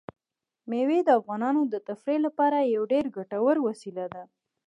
مېوې د افغانانو د تفریح لپاره یوه ډېره ګټوره وسیله ده.